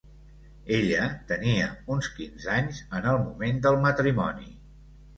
Ella tenia uns quinze anys en el moment del matrimoni.